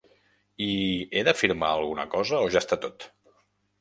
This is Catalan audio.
I he de firmar alguna cosa o ja està tot?